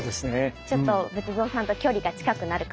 ちょっと仏像さんと距離が近くなるかもしれないですね。